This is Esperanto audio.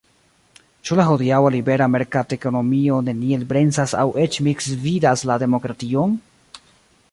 Ĉu la hodiaŭa libera merkatekonomio neniel bremsas aŭ eĉ misgvidas la demokration?